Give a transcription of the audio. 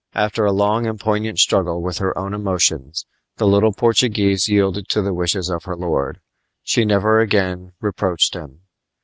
After a long and poignant struggle with her own emotions the little Portuguese yielded to the wishes of her lord. She never again reproached him.